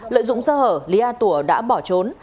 lợi dụng sơ hở lý a tủa đã bỏ trốn